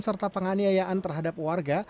serta penganiayaan terhadap warga